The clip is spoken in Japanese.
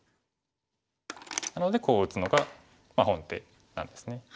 なのでこう打つのが本手なんですね。